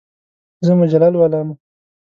زه مجله لولم.